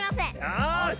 よし！